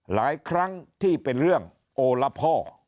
หลายครั้งที่เป็นเรื่องโอละพ่อ